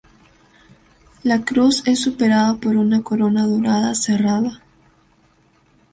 La cruz es superada por una corona dorada cerrada.